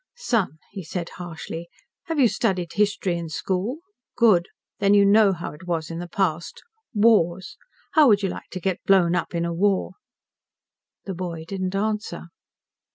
"Son," he said harshly, "have you studied history in school? Good. Then you know how it was in the past. Wars. How would you like to get blown up in a war?" The boy didn't answer.